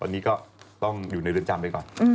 อันนี้ก็ต้องอยู่ในเรือนจำไปก่อน